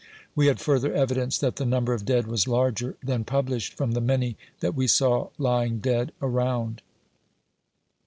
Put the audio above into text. We had further evidence that the number of dead was larger than published, from the many that we saw lying dead around.